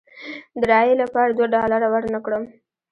د رایې لپاره دوه ډالره ورنه کړم.